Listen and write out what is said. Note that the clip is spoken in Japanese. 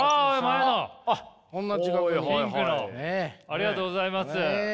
ありがとうございます。